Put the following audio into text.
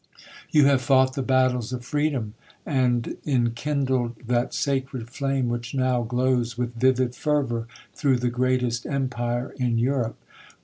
You have fought the battles of freedom, and enkindled that sacred flame which now glows with vivid fervour through the greatest empire in Europe.